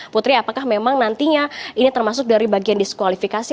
putri apakah memang nantinya ini termasuk dari bagian diskualifikasi